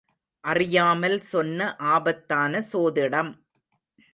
அறியாமல் சொன்ன ஆபத்தான சோதிடம்!